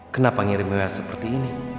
kenapa ngirim wa seperti ini